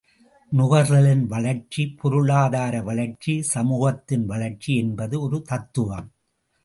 நுகர்தலின் வளர்ச்சி பொருளாதார வளர்ச்சி சமூகத்தின் வளர்ச்சி என்பது ஒரு தத்துவம்!